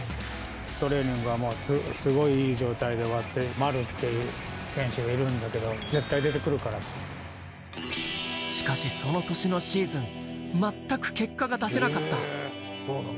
トレーニングはもう、すごいいい状態で終わって、丸っていう選手がいるんだけど、絶対出てくしかし、その年のシーズン、全く結果が出せなかった。